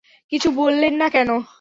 কিছু বললেন না কেন?